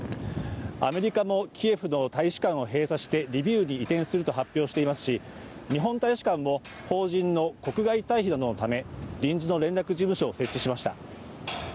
アメリカもキエフの大使館を閉鎖してリビウに移転すると発表していますし、日本大使館も邦人の国外退避のため臨時の連絡事務所を設置しました。